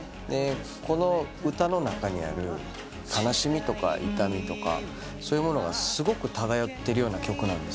この歌の中にある悲しみとか痛みとかそういうものがすごく漂ってるような曲なんですよ。